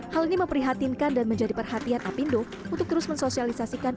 hal ini memprihatinkan dan menjadi perhatian apindo untuk terus mensosialisasikan